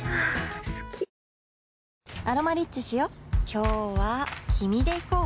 今日は君で行こう